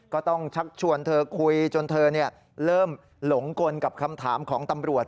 ชักชวนเธอคุยจนเธอเริ่มหลงกลกับคำถามของตำรวจ